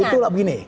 nah itu lah begini